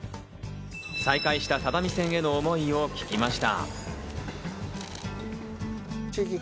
再開した只見線への思いを聞きました。